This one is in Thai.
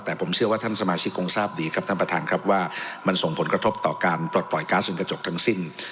แต่ผมเชื่อว่าท่านสมาชิกคงทราบดีครับท่านประธานครับว่ามันส่งผลกระทบต่อการปลดปล่อยก๊าซเป็นกระจกทั้งสิ้น